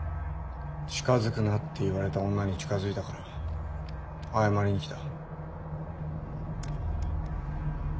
近づくなって言われた女に近づいたから謝りに来た。